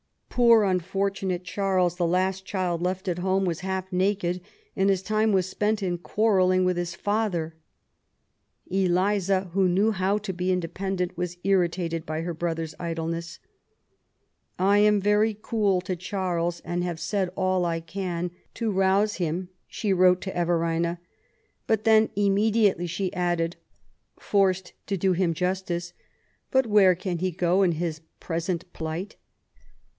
Poor unfortunate Charles, the last child left at home, was half naked, and his time was spent in quarrelling with his father. Eliza, who knew how to be independent, was irritated by her brother's idleness. " I am very cool to Charles, and have said all I can to rouse LITEEAEY LIFE. 75 him/' she wrote to Everina ; but then immediately she added, forced to do him justice, *' But where can he go in his present plight